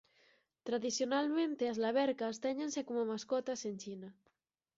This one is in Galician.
Tradicionalmente as lavercas téñense como mascotas en China.